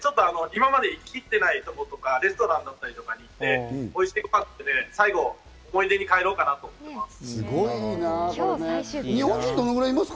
今まで行ききっていない所とか、レストランだったりとかに行って、おいしいご飯を食べて、最後、思い出に帰ろうかなと思います。